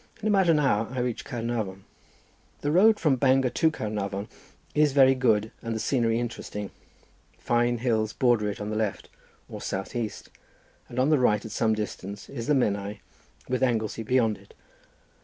In about an hour I reached Caernarvon. The road from Bangor to Caernarvon is very good and the scenery interesting—fine hills border it on the left, or south east, and on the right at some distance is the Menai with Anglesey beyond it.